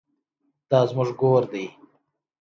دا زموږ ګور دی